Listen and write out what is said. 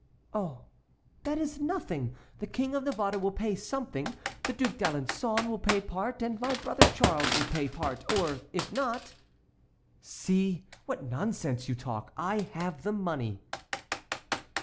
"Oh! that is nothing. The King of Navarre will pay something, the Duc d'Alençon will pay part, and my brother Charles will pay part, or if not"— "See! what nonsense you talk. I have the money."